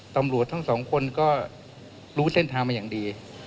ตำรวจทั้งสองคนก็รู้เส้นทางมาอย่างดี